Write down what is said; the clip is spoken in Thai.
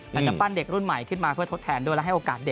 จะปั้นเด็กรุ่นใหม่ขึ้นมาเพื่อทดแทนด้วยและให้โอกาสเด็ก